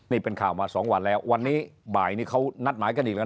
นี่เป็นข่าวมาสองวันแล้ววันนี้บ่ายนี้เขานัดหมายกันอีกแล้ว